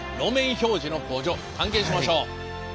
標示の工場探検しましょう！